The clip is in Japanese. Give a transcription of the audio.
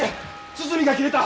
堤が切れた！